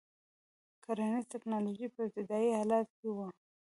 کرنیزه ټکنالوژي په ابتدايي حالت کې وه.